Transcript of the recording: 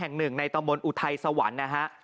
วัดแห่งหนึ่งในตะมนต์อุทัยสวรรค์นะฮะ